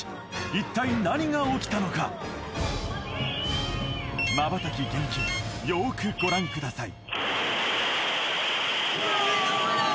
一体何が起きたのかまばたき厳禁よーくご覧ください